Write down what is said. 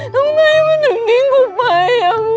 ทำไมมันถึงทิ้งกูไป